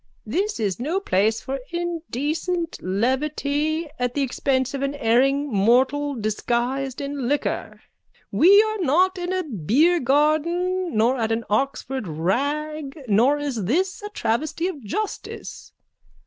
_ This is no place for indecent levity at the expense of an erring mortal disguised in liquor. We are not in a beargarden nor at an Oxford rag nor is this a travesty of justice.